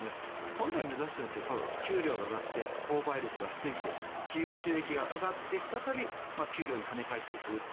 本来、目指しているのって給料が上がって購買力がついて企業収益が上がって再び給料に跳ね返ってくると。